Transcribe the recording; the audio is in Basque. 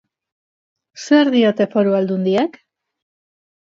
Zer diote foru aldundiek?